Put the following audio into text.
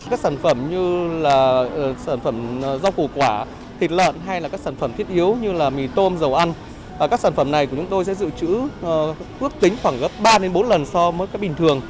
các sản phẩm như là sản phẩm rau củ quả thịt lợn hay là các sản phẩm thiết yếu như mì tôm dầu ăn các sản phẩm này của chúng tôi sẽ dự trữ quốc tính khoảng gấp ba bốn lần so với các bình thường